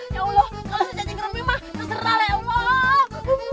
ya allah kalau saya jadi gerumim mah terserah lewat